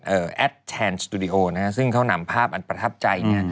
แอดแทนสตูดิโอนะฮะซึ่งเขานำภาพอันประทับใจเนี่ย